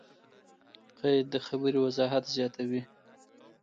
قید؛ د خبري وضاحت زیاتوي.